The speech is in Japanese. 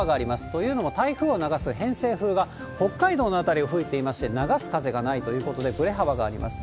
というのも、台風を流す偏西風が北海道の辺りを吹いていまして、流す風がないということで、ぶれ幅があります。